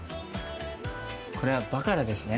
これはバカラですね。